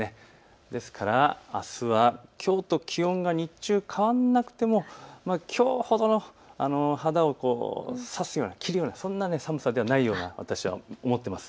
ですから、あすはきょうと気温が日中、変わらなくてもきょうほどの、肌を刺すような切るような寒さ、そんな寒さではないように私は思っています。